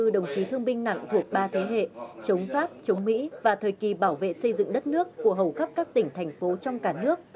hai mươi đồng chí thương binh nặng thuộc ba thế hệ chống pháp chống mỹ và thời kỳ bảo vệ xây dựng đất nước của hầu khắp các tỉnh thành phố trong cả nước